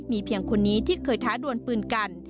เพียงคนนี้ที่เคยท้าดวนปืนกัน